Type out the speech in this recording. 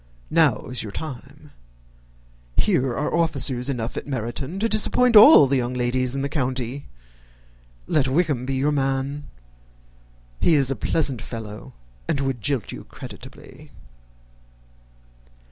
Now is your time. Here are officers enough at Meryton to disappoint all the young ladies in the country. Let Wickham be your man. He is a pleasant fellow, and would jilt you creditably."